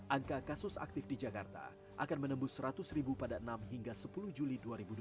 angka kasus aktif di jakarta akan menembus seratus ribu pada enam hingga sepuluh juli dua ribu dua puluh